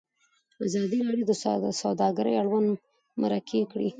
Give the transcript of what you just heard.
ازادي راډیو د سوداګري اړوند مرکې کړي.